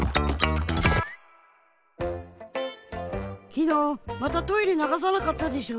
きのうまたトイレながさなかったでしょ。